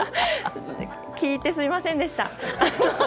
聞いてすみませんでした。